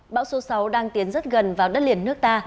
bão số sáu đang tiến rất gần vào đất liền nước ta